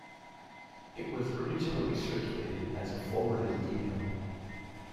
It was originally circulated as a forwarded email.